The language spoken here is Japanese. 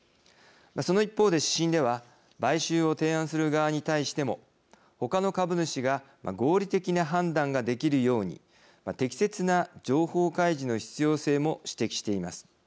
その一方で、指針では買収を提案する側に対しても他の株主が合理的な判断ができるように適切な情報開示の必要性も指摘しています。